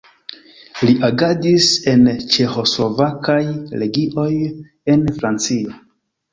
Li agadis en ĉeĥoslovakaj legioj en Francio.